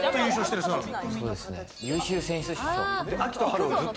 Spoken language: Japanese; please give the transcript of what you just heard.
優秀選手賞。